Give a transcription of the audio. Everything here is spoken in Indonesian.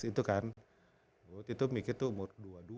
itu kan waktu itu miki tuh umur dua puluh dua